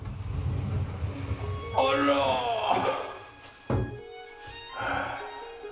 あら！へえ畳。